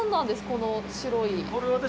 この白い。